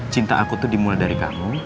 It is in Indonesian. cinta aku tuh dimulai dari kamu